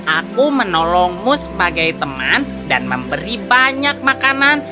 aku menolongmu sebagai teman dan memberi banyak makanan